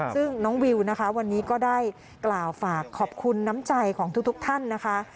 ซึ่งน้องวิวนะคะวันนี้ก็ได้กล่าวฝากขอบคุณน้ำใจของทุกท่านนะคะ